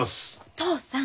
お父さん！